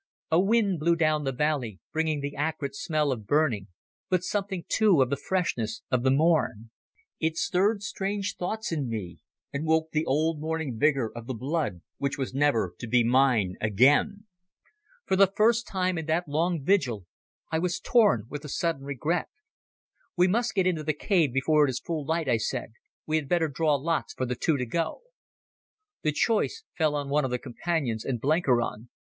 A wind blew down the valley, bringing the acrid smell of burning, but something too of the freshness of morn. It stirred strange thoughts in me, and woke the old morning vigour of the blood which was never to be mine again. For the first time in that long vigil I was torn with a sudden regret. "We must get into the cave before it is full light," I said. "We had better draw lots for the two to go." The choice fell on one of the Companions and Blenkiron.